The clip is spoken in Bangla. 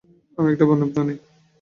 আমি একটা বন্য প্রাণী।